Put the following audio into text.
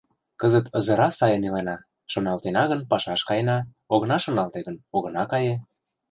— Кызыт ызыра сайын илена: шоналтена гын, пашаш каена, огына шоналте гын, огына кае.